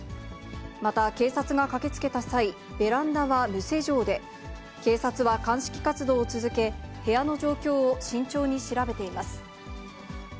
また、警察が駆けつけた際、ベランダは無施錠で、警察は鑑識活動を続け、部屋の状況を慎重に調べています。